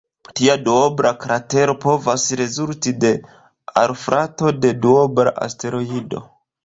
Tia duobla kratero povas rezulti de alfrapo de duobla asteroido.